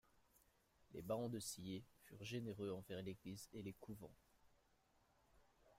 Les barons de Sillé furent généreux envers l'Église et les couvents.